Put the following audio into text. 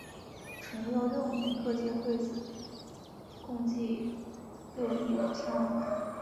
淳佑六年各界会子共计六亿五千万贯。